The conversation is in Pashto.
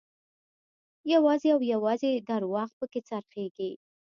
یوازې او یوازې درواغ په کې خرڅېږي.